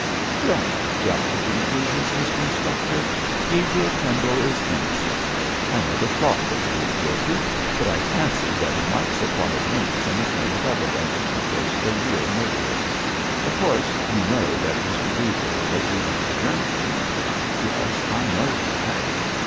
'Don't jump to conclusions, Mr Inspector. Gabriel Pendle is innocent. I never thought that he was guilty, but I fancied that he might supply links in the chain of evidence to trace the real murderer. Of course, you know that Mr Gabriel lately went to Germany?' 'Yes, I know that.'